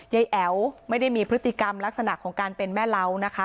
แอ๋วไม่ได้มีพฤติกรรมลักษณะของการเป็นแม่เล้านะคะ